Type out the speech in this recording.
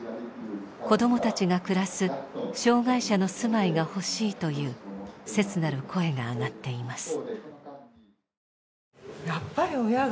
子どもたちが暮らす障害者の住まいが欲しいという切なる声が上がっています。